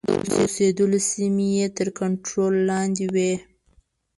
د اوسېدلو سیمې یې تر کنټرول لاندي وې.